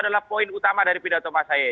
adalah poin utama dari pidato mas ahy